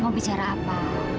mau bicara apa